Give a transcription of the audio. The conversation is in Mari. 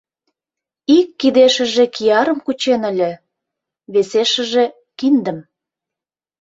— Ик кидешыже киярым кучен ыле, весешыже — киндым.